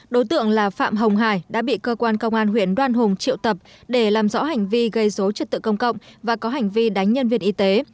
đối tượng là phạm hồng hải đã bị cơ quan công an huyện đoan hùng triệu tập để làm rõ hành vi gây dối trật tự công cộng và có hành vi đánh nhân viên y tế